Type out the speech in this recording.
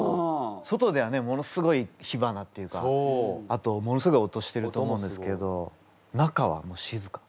外ではねものすごい火花っていうかあとものすごい音してると思うんですけど中は静か。